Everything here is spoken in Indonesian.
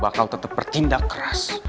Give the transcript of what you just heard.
bakal tetep bertindak keras